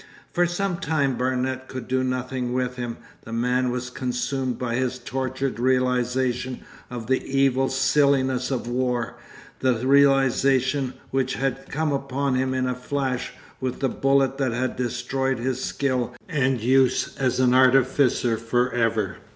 For some time Barnet could do nothing with him. The man was consumed by his tortured realisation of the evil silliness of war, the realisation which had come upon him in a flash with the bullet that had destroyed his skill and use as an artificer for ever.